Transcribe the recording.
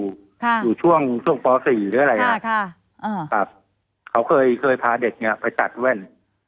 อยู่ช่วงช่วงปสี่หรืออะไรนะใช่ค่ะอ่าครับเขาเคยเคยพาเด็กเนี้ยไปตัดแว่น